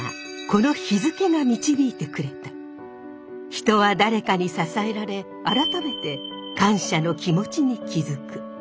人は誰かに支えられ改めて感謝の気持ちに気付く。